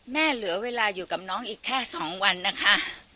เหลือเวลาอยู่กับน้องอีกแค่๒วันนะคะ